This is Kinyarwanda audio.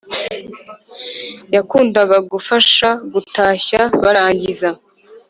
yakundaga kubafasha gutashya, barangiza